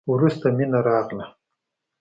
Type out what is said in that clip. وروسته مينه راغله.